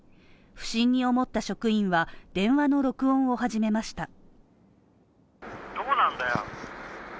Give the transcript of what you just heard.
不審に思った職員は電話の録音を始めました。